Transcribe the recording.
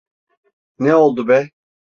Ne oldu be?